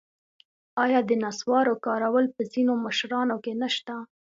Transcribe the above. آیا د نصوارو کارول په ځینو مشرانو کې نشته؟